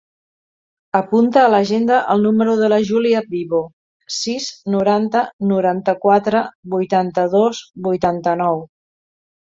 Apunta a l'agenda el número de la Giulia Vivo: sis, noranta, noranta-quatre, vuitanta-dos, vuitanta-nou.